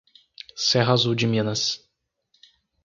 Serra Azul de Minas